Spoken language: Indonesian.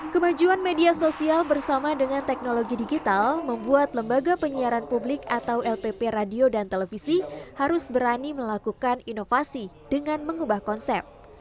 kemajuan media sosial bersama dengan teknologi digital membuat lembaga penyiaran publik atau lpp radio dan televisi harus berani melakukan inovasi dengan mengubah konsep